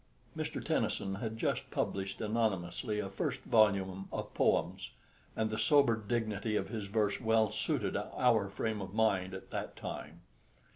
Mr. Tennyson had just published anonymously a first volume of poems, and the sober dignity of his verse well suited our frame of mind at that time.